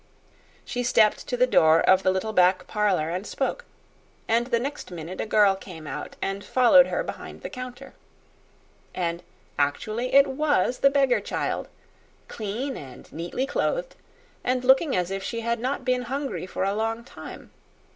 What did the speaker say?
She stepped to the door of the little back parlor and spoke; and the next minute a girl came out and followed her behind the counter. And actually it was the beggar child, clean and neatly clothed, and looking as if she had not been hungry for a long time.